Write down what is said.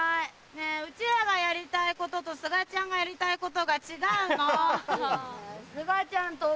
ねぇうちらがやりたいこととすがちゃんがやりたいことが違うの。